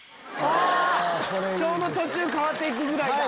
ちょうど途中変わっていくぐらいだ。